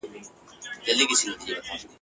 روح مي لاندي تر افسون دی نازوه مي !.